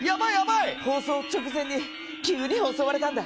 放送直前に急に襲われたんだ。